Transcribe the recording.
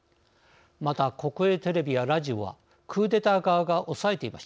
また国営テレビやラジオはクーデター側がおさえていました。